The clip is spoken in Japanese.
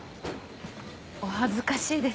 お恥ずかしいです。